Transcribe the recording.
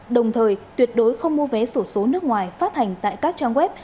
đồng thời tuyệt đối không mua vé sổ số nước ngoài phát hành tại các trang web